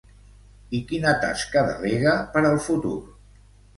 I quina tasca delega per al futur?